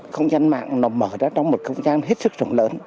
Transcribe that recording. không gian mạng nó mở ra trong một không gian hết sức rộng lớn